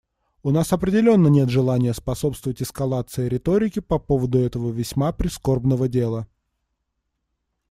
У нас определенно нет желания способствовать эскалации риторики по поводу этого весьма прискорбного дела.